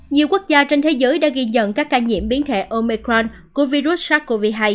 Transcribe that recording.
nhiều quốc gia trên thế giới đã ghi nhận các ca nhiễm biến thể omecran của virus sars cov hai